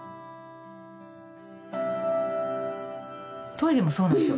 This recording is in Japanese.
トイレもそうなんですよ。